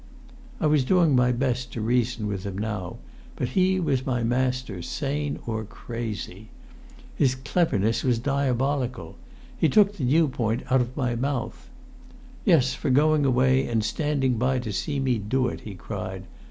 I was doing my best to reason with him now, but he was my master, sane or crazy. His cleverness was diabolical. He took the new point out of my mouth. "Yes for going away and standing by to see me do it!" he cried.